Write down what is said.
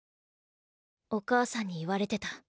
お母さんに言われてた。